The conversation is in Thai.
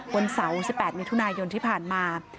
วันเสาร์๑๘มิถุนายนที่ผ่านมา